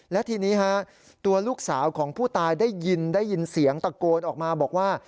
และทีนี้ฮะตัวลูกสาวของผู้ตายได้ยินได้ยินเสียงตะโกนออกมาบอกว่า